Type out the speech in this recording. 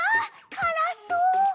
からそう！